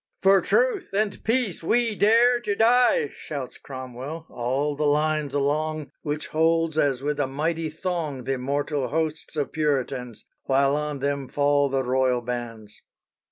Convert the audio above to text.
"For truth and peace we dare to die!" Shouts Cromwell, all the lines along, Which holds as with a mighty thong Th' immortal hosts of Puritans, While on them fall the Royal bans.